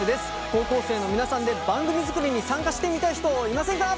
高校生の皆さんで番組作りに参加してみたい人いませんか？